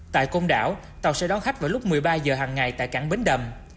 tại công đảo tàu sẽ đón khách vào lúc một mươi ba h hàng ngày tại cảng bến đầm